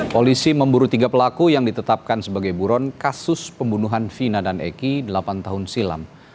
polisi memburu tiga pelaku yang ditetapkan sebagai buron kasus pembunuhan vina dan eki delapan tahun silam